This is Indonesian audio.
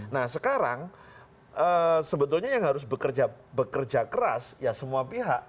nah sekarang sebetulnya yang harus bekerja keras ya semua pihak